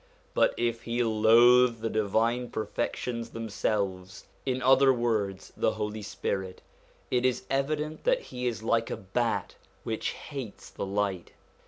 But if he loathe the divine perfections themselves, in other words the Holy Spirit, it is evident that he is like a bat which hates the light.